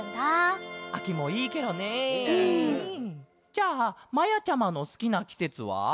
じゃあまやちゃまのすきなきせつは？